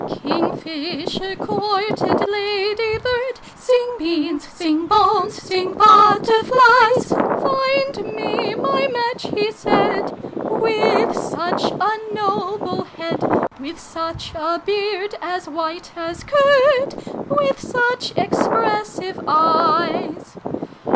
"King Fislier courted Lady Bird Sing Beans, sing Bones, sing Butterflies !' Find me my match,' he said, ' With sucJi a noble head With such a beard, as white as curd With stick expressive eyes